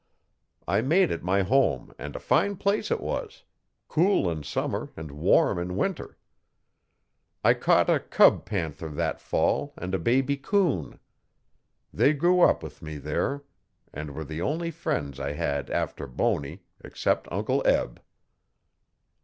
I made it my home and a fine place it was cool in summer and warm in winter. I caught a cub panther that fall and a baby coon. They grew up with me there and were the only friends I had after Bony, except Uncle Eb.